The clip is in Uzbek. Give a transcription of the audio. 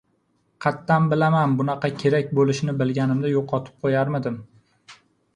— Qattan bilaman! Bunaqa kerak bolishini bilganimda yo‘qotib qo‘yarmidim.